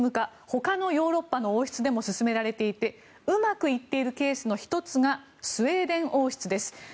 他のヨーロッパの王室でも進められていてうまくいっているケースの１つがスウェーデン王室です。